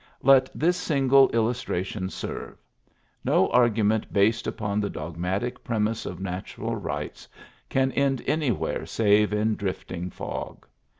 Let this single illustration serve. No argument based upon the dogmatic premise of natural rights can end anywhere save in drifting fog.